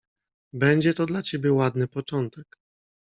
"Będzie to dla ciebie ładny początek."